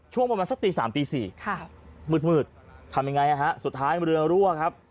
ช่วงประมาณสักตี๓ตี๔มืดทำยังไงฮะสุดท้ายเรือรั่วครับ